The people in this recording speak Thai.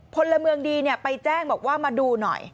พลเมืองดีไปแจ้งบอกว่ามาดูหน่อย